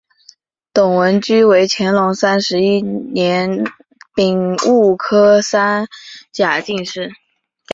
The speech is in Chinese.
董文驹为乾隆三十一年丙戌科三甲进士。